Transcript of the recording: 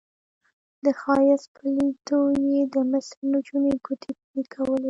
د ښایست په لیدو یې د مصر نجونو ګوتې پرې کولې.